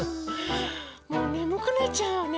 もうねむくなっちゃうよね。